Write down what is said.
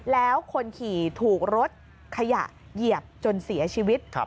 แล้วคนขี่ถูกรถขยะเหยียบจนเสียชีวิต